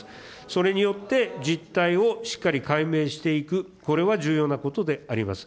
それによって、実態をしっかり解明していく、これは重要なことであります。